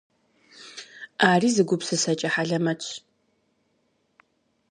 Ари зы гупсысэкӏэ хьэлэмэтщ.